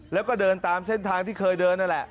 แล้วก็เดินตามเส้นทางที่เคยเดินนั่นแหละ